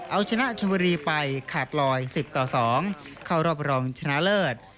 เอาชนะชนบุรีไปขาดลอย๑๐ต่อ๒เข้ารอบรองชนะเลิศ